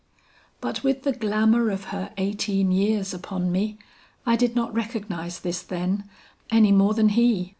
"But with the glamour of her eighteen years upon me, I did not recognize this then, any more than he.